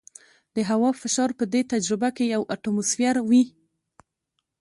د هوا فشار په دې تجربه کې یو اټموسفیر وي.